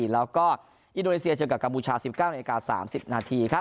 แล้วก็อินโดรนีเซียเจอกับกัมบูชา๑๙น๓๐น